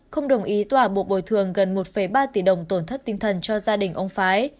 không đồng ý tỏa buộc bồi thường gần một ba tỷ đồng tổn thất tinh thần cho gia đình ông phái